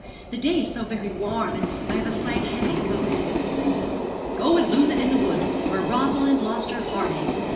The day is so very warm, and I have a slight headache already.' 'Go and lose it in the wood, where Rosalind lost her heart ache.